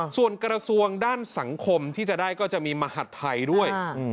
ส่วนกระทรวงด้านสังคมที่จะได้ก็จะมีมหัฐไทยด้วย